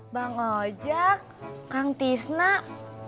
bang ojak kang tisnak